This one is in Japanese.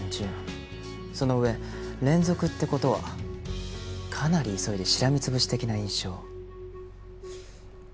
その上連続って事はかなり急いでしらみ潰し的な印象。